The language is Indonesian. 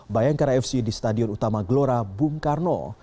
bayangkan afc di stadion utama glora bung karno